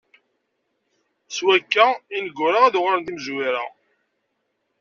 S wakka, ineggura ad uɣalen d imezwura.